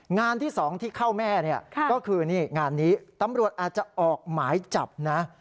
งานที่๒ที่เข้าแม่เนี่ยก็คือนี่งานนี้ตำรวจอาจจะออกหมายจับนะ